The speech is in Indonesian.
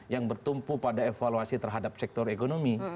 yang bertumpu pada evaluasi terhadap sektor ekonomi